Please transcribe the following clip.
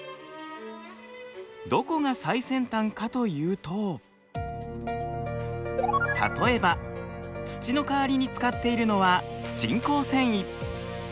どこが最先端かというと例えば土の代わりに使っているのは人工繊維。